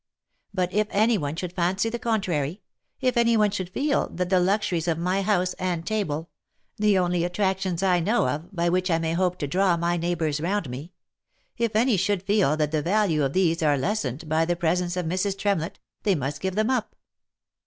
But if any one should fancy the contrary — if any one should feel that the luxuries of my house and table — the only attractions I know of, by which I may hope to draw my neighbours round me — if any should feel that the value of these are lessened by the presence of Mrs. Tremlett, they must give them up.